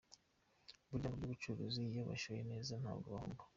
Burya mu by’ ubucuruzi, iyo washoye neza ntabwo uhomba.